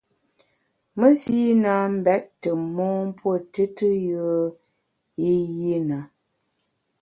Mesi na mbèt tù mon mpuo tùtù yùe i yi na.